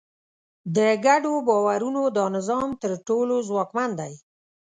د ګډو باورونو دا نظام تر ټولو ځواکمن دی.